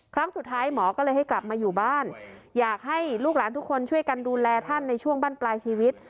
ครั้งสุดท้ายหมอก็เลยให้กลับมาอยู่บ้านอยากให้ลูกหลานทุกคนช่วยกันดูแลท่านในช่วงบ้านปลายชีวิต